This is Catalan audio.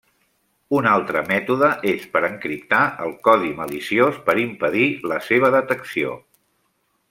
Un altre mètode és per encriptar el codi maliciós per impedir la seva detecció.